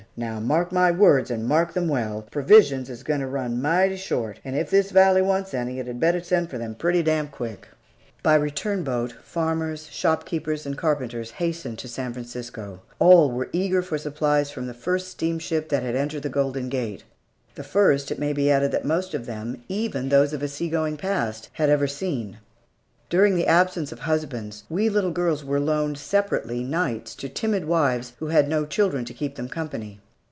Now mark my words, and mark them well: provisions is going to run mighty short, and if this valley wants any, it had better send for them pretty damn quick!" By return boat, farmers, shopkeepers, and carpenters hastened to San Francisco. All were eager for supplies from the first steamship that had entered the Golden Gate the first, it may be added, that most of them, even those of a sea going past, had ever seen. During the absence of husbands, we little girls were loaned separately nights to timid wives who had no children to keep them company.